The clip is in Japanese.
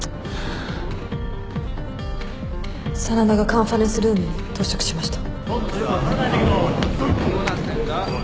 真田がカンファレンスルームに到着しました。